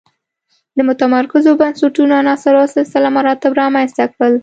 د متمرکزو بنسټونو عناصر او سلسله مراتب رامنځته کړل.